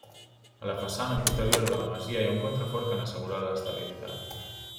A la façana posterior de la masia, hi ha un contrafort que n'assegura l'estabilitat.